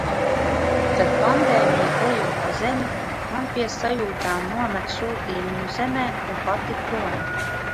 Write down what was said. Kad pandēmija klejo pa zemi, man pie sajūtām nomet sūtījumu zemē un pati prom.